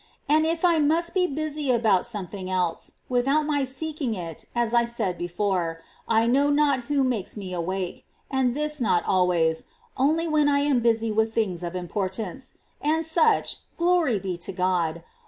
And if I must be busy about something else, without my seeking it, as I said before,^ I know not who makes me awake, — and this not always, only when I am busy with things of importance ; and such — glory be to God